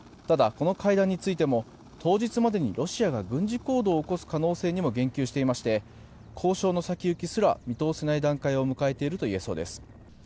ただ、この会談についても当日までにロシアが軍事行動を起こす可能性にも言及していまして交渉の先行きすら見通せない段階を迎えているといえそうです。